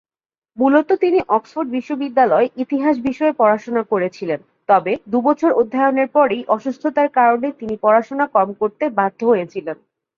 মূলত তিনি অক্সফোর্ড বিশ্ববিদ্যালয়ে ইতিহাস বিষয়ে পড়াশোনা করেছিলেন, তবে দু'বছর অধ্যয়নের পরেই অসুস্থতার কারণে তিনি পড়াশুনা কম করতে বাধ্য হয়েছিলেন।